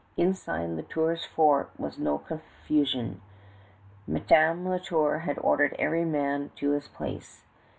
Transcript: Inside La Tour's fort was no confusion. Madame La Tour had ordered every man to his place.